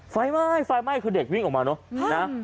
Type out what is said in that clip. ไฟไหม้ไฟไหม้คือเด็กวิ่งออกมาเนอะนะ